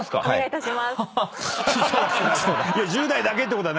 １０代だけってことはないです。